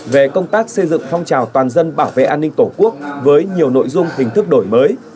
về công tác xây dựng phong trào toàn dân bảo vệ an ninh tổ quốc với nhiều nội dung hình thức đổi mới